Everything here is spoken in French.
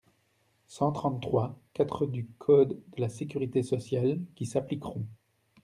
cent trente-trois-quatre du code de la sécurité sociale qui s’appliqueront.